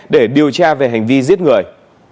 để điều tra về hành vi giết người